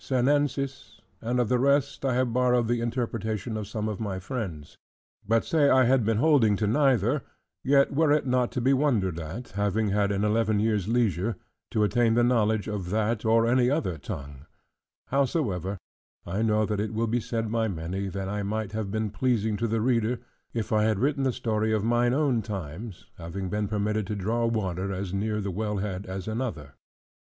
Senensis; and of the rest I have borrowed the interpretation of some of my friends. But say I had been beholding to neither, yet were it not to be wondered at, having had an eleven years' leisure, to attain the knowledge of that, or of any other tongue; howsoever, I know that it will be said by many, that I might have been more pleasing to the reader, if I had written the story of mine own times, having been permitted to draw water as near the well head as another.